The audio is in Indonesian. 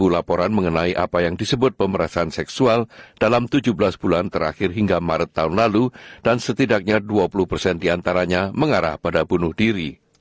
dua puluh laporan mengenai apa yang disebut pemerasan seksual dalam tujuh belas bulan terakhir hingga maret tahun lalu dan setidaknya dua puluh persen diantaranya mengarah pada bunuh diri